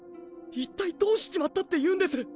一体どうしちまったっていうんです！？